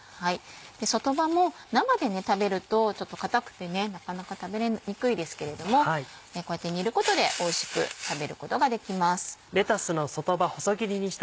外葉も生で食べるとちょっと硬くてなかなか食べにくいですけれどもこうやって煮ることでおいしく食べることができます。